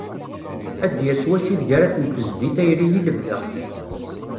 Ad d-yas wass ideg ara ten-tezdi tayri i lebda.